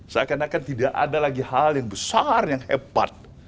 seakan akan tidak ada lagi hal yang besar yang hebat